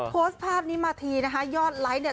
โพสภาพนี้มาทียอดไลด์นี่